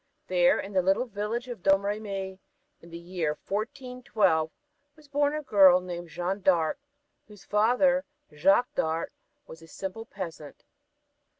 There, in the little village of Domremy, in the year 1412, was born a girl named Jeanne d'Arc, whose father, Jacques d'Arc, was a simple peasant.